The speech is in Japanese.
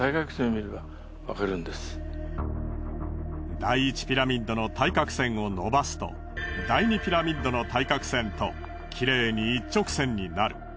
第１ピラミッドの対角線を伸ばすと第２ピラミッドの対角線ときれいに一直線になる。